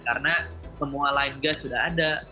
karena semua line gas sudah ada